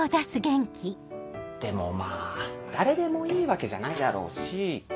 でもまぁ誰でもいいわけじゃないだろうし。